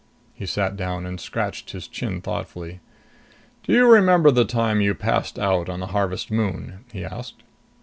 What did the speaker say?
He sat down and scratched his chin thoughtfully. "Do you remember the time you passed out on the Harvest Moon?" he asked.